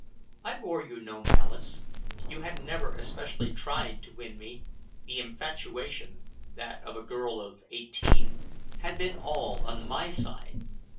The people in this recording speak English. I bore you no malice; you had never especially tried to win me; the infatuation that of a girl of eighteen had been all on my side.